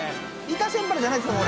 イタセンパラじゃないですか？